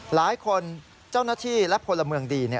เจ้าหน้าที่และพลเมืองดี